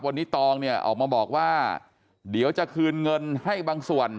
วันนี้ตองเนี่ยออกมาบอกว่าเดี๋ยวจะคืนเงินให้บางส่วน